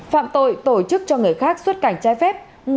phạm tội tổ chức cho người khác xuất cảnh trái phép